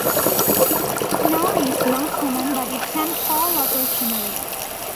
Snow is not common but it can fall occasionally.